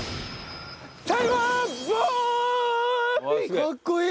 かっこいい！